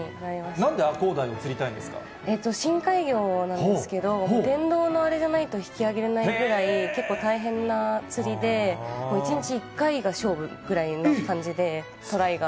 なんでアコウダイを釣りたい深海魚なんですけど、電動のあれじゃないと、引き上げれないくらい、結構大変な釣りで、１日１回が勝負ぐらいの感じで、トライが。